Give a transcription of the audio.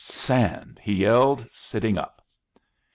"Sand!" he yelled, sitting up.